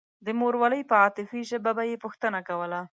د مورولۍ په عاطفي ژبه به يې پوښتنه کوله.